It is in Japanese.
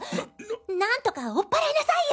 何とか追っ払いなさいよ！